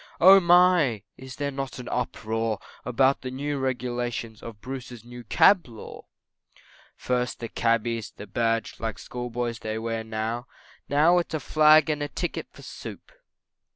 Oh my, is there not an uproar About the new regulations of Bruce's New Cab Law, First the Cabby's, the badge, like schoolboys they wear now, Now it's a Flag and a Ticket for Soup!